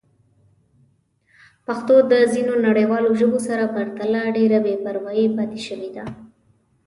پښتو د ځینو نړیوالو ژبو سره پرتله ډېره بې پروا پاتې شوې ده.